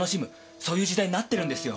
そういう時代になってるんですよ。